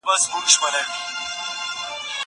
زه اجازه لرم چي مېوې وچوم.